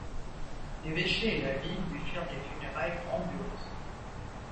L'évêché et la ville lui firent des funérailles grandioses.